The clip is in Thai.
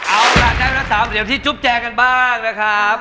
เอาล่ะได้มา๓เสียงที่จุ๊บแจกันบ้างนะครับ